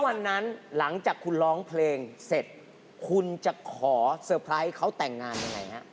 วันนั้นหลังจากคุณร้องเพลงเสร็จคุณจะขอเซอร์ไพรส์เขาแต่งงานยังไงฮะ